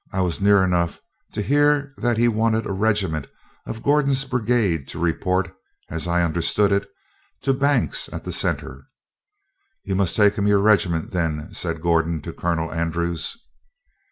I was near enough to hear that he wanted a regiment of Gordon's brigade to report, as I understood it, to Banks at the centre. "You must take him your regiment, then," said Gordon to Colonel Andrews.